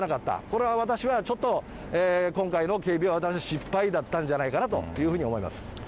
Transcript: これは私はちょっと、今回の警備は失敗だったんじゃないかなというふうに思います。